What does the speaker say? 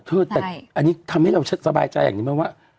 เธอแต่อันนี้ทำให้เราสบายใจอย่างนี้ไหมว่า